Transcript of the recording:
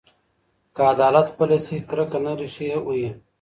که عدالت پلی شي، کرکه نه ریښې وهي.